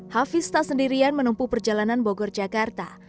hafiz tak sendirian menempuh perjalanan bogor jakarta